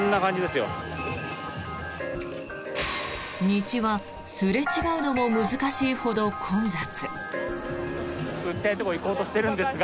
道はすれ違うのも難しいほど混雑。